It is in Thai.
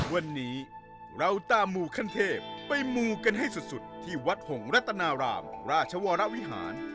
วันนี้เราตามมูขั้นเทพไปมูกันให้สุดที่วัดหงรัตนารามราชวรวิหาร